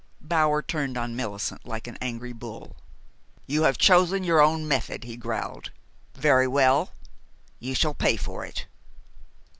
Bower turned on Millicent like an angry bull. "You have chosen your own method," he growled. "Very well. You shall pay for it."